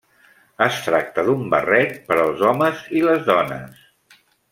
Es tracta d'un barret per als homes i les dones.